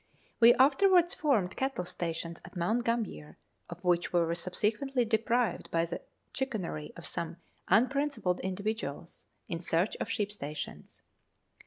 We afterwards formed cattle stations at Mount Gambier, of which we were subsequently deprived by the chicanery of some unprincipled individuals in search of sheep stations.